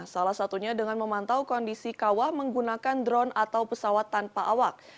salah satunya dengan memantau kondisi kawah menggunakan drone atau pesawat tanpa awak